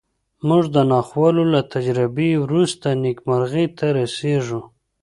موږ د ناخوالو له تجربې وروسته نېکمرغۍ ته رسېږو